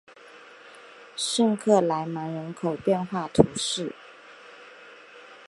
圣克莱芒人口变化图示